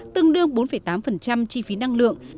tương đương bốn tám chi phí năng lượng